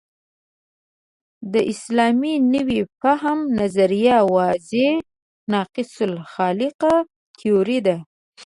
د اسلامي نوي فهم نظریه واضحاً ناقص الخلقه تیوري ده.